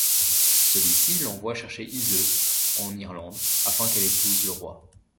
Celui-ci l'envoie chercher Iseut en Irlande, afin qu'elle épouse le roi.